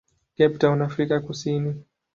Cape Town, Afrika Kusini.